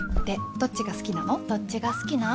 どっちが好きなん？